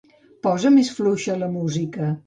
Posa més fluixa la música.